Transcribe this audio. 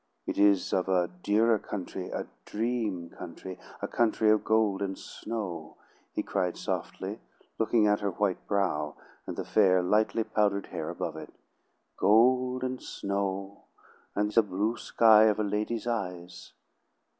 It is of a dearer country, a dream country a country of gold and snow," he cried softly, looking it her white brow and the fair, lightly powdered hair above it. "Gold and snow, and the blue sky of a lady's eyes!"